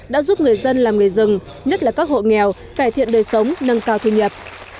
đã giúp người dân làm nghề rừng nhất là các hộ nghèo cải thiện đời sống nâng cao thu nhập